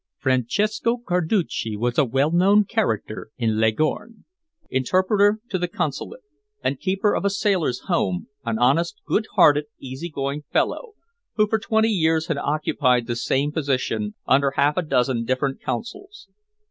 Francesco Carducci was a well known character in Leghorn; interpreter to the Consulate, and keeper of a sailor's home, an honest, good hearted, easy going fellow, who for twenty years had occupied the same position under half a dozen different Consuls.